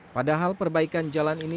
padahal perbaikan jalan ini